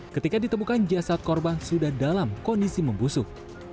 ketika ditemukan jasad korban sudah dalam kondisi membusuk